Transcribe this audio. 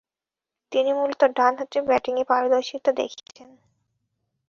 তিনি মূলতঃ ডানহাতে ব্যাটিংয়ে পারদর্শীতা দেখিয়েছেন।